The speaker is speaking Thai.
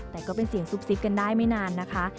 แต่ก็เป็นเสียงซุกซิกกันได้ไม่นานนะคะ